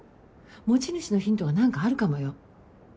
持ち主のヒントが何かあるかもよ。